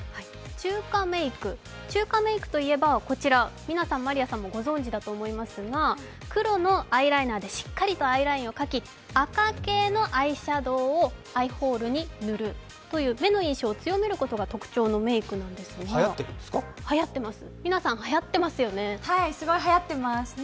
中華メイク、中華メイクといえばみなさん、まりあさんもご存じだと思いますが、黒のアイライナーでしっかり目をかき赤系のアイシャドウをアイホールに塗るという、目の印象を強めることが特徴のメークなんですが、はやってます。